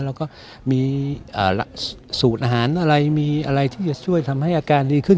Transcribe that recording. แล้วก็มีสูตรอาหารอะไรมีอะไรที่จะช่วยทำให้อาการดีขึ้น